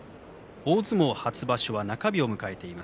大相撲初場所は中日を迎えています。